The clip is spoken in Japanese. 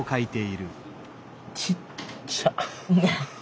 ちっちゃ。